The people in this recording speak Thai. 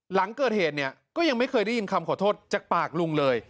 หลังเกิดเหตุเนี่ยก็ยังไม่เคยได้ยินคำขอโทษจากปากลุงเลย